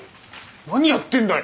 何やってんだよ！